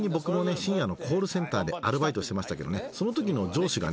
深夜のコールセンターでアルバイトしてましたけどねその時の上司がね